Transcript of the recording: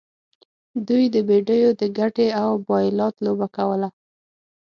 دوی د بیډیو د ګټې او بایلات لوبه کوله.